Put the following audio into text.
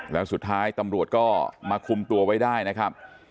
แล้วสุดท้ายตำรวจก็มาคุมตัวไว้ได้นะครับ